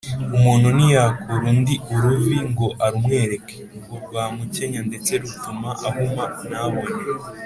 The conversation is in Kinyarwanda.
Umuntu ntiyakura undi uruvi ngo arumwereke, ngo rwamukenya, ndetse rutuma ahuma ntabone.